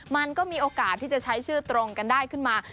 มันก็มีโอกาสที่จะใช้ชื่อตรงกันได้ขึ้นมา